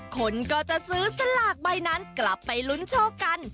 คนก็จะซื้อสลากใบนั้นกลับไปลุ้นโชคกัน